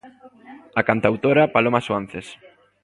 A cantautora Paloma Suanzes.